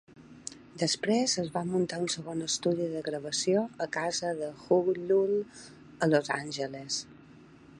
Després, es va muntar un segon estudi de gravació a casa de Hullum a Los Angeles.